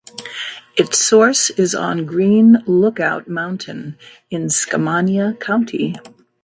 Its source is on Green Lookout Mountain in Skamania County.